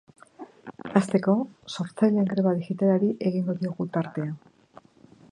Hasteko, sortzaileen greba digitalari egingo diogu tartea.